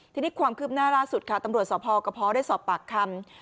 ทีนี้ความคืบหน้าล่าสุดค่ะตำรวจสพกระเพาะได้สอบปากคำ